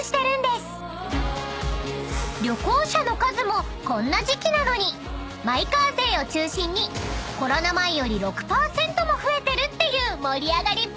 ［旅行者の数もこんな時期なのにマイカー勢を中心にコロナ前より６％も増えてるっていう盛り上がりっぷり］